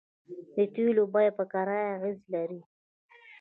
د تیلو بیه په کرایه اغیز لري